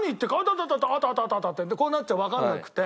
アタタタアタタタってこうなっちゃうわかんなくて。